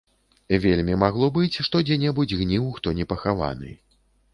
Вельмі магло быць, што дзе-небудзь гніў хто непахаваны.